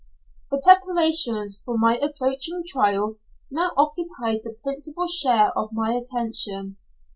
The preparations for my approaching trial now occupied the principal share of my attention.